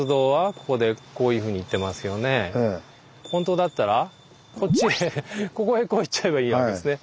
本当だったらこっちへここへこう行っちゃえばいいわけですね。